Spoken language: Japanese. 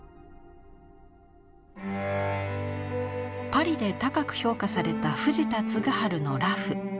パリで高く評価された藤田嗣治の裸婦。